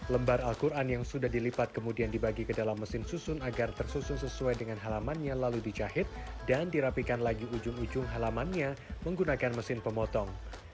lembar al quran yang sudah dilipat kemudian dibagi ke dalam mesin susun agar tersusun sesuai dengan halamannya lalu dijahit dan dirapikan lagi ujung ujung halamannya menggunakan mesin pemotong